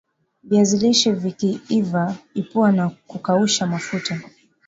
viazi lishe Vikiiva ipua na kukausha mafuta